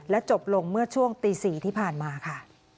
จบลงเมื่อช่วงตี๔ที่ผ่านมาค่ะ